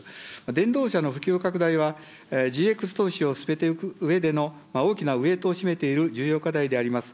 電動車の普及拡大は、ＧＸ投資を進めていくうえでの大きなウエートを占めている重要課題であります。